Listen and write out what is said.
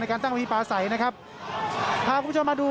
การตั้งเวทีปลาใสนะครับพาคุณผู้ชมมาดู